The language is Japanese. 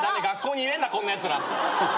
学校に入れんなこんなやつら。